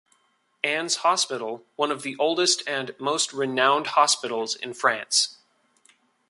Anne's Hospital, one of the oldest and most renowned hospitals in France.